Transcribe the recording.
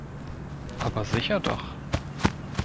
Aber sicher doch.